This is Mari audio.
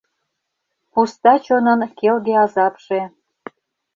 Пуста чонын — келге азапше